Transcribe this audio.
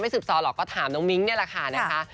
ไม่สืบสอหรอกก็ถามน้องมิ๊งนี่แหละค่ะ